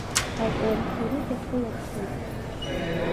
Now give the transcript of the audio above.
Аҟәланқьари дахылаԥшуеит.